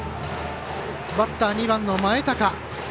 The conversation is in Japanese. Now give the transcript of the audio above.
バッター２番の前高。